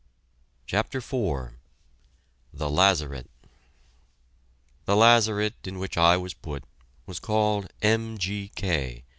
CHAPTER IV THE LAZARET The lazaret in which I was put was called "M.G.